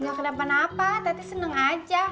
gak kenapa kenapa tadi seneng aja